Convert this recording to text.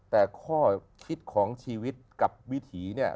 แต่ข้อคิดของชีวิตกับวิถีเนี่ย